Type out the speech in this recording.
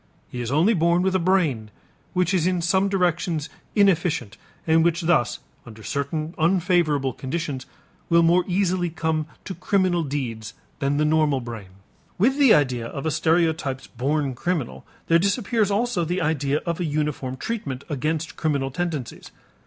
He is only born with a brain which is in some directions inefficient and which thus, under certain unfavorable conditions, will more easily come to criminal deeds than the normal brain. With the idea of a stereotyped born criminal there disappears also the idea of a uniform treatment against criminal tendencies.